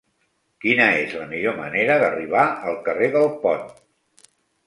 Quina és la millor manera d'arribar al carrer del Pont?